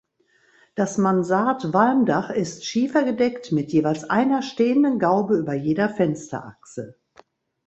Das Mansardwalmdach ist schiefergedeckt mit jeweils einer stehenden Gaube über jeder Fensterachse.